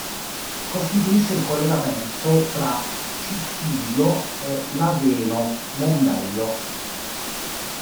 Costituisce il collegamento tra Cittiglio e Laveno Mombello.